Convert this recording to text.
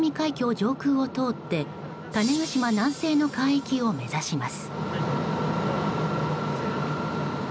上空を通って種子島南西の海域を目指します。